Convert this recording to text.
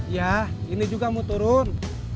ya ini juga mau turun